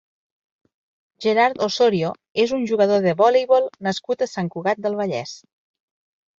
Gerard Osorio és un jugador de voleibol nascut a Sant Cugat del Vallès.